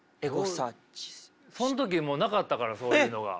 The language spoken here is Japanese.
その時もうなかったからそういうのが。